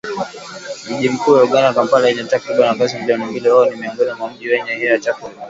Mji mkuu wa Uganda, Kampala wenye takriban wakazi milioni mbili wao ni miongoni mwa miji yenye hewa chafu ulimwenguni.